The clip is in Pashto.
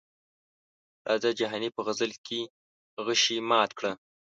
راځه جهاني په غزل کې غشي مات کړه.